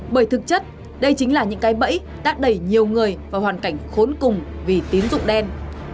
bởi thực chất đây chính là những cái bẫy đã đẩy nhiều người vào hoàn cảnh khốn cùng vì tín dụng đen